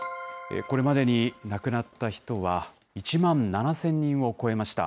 これまでに亡くなった人は１万７０００人を超えました。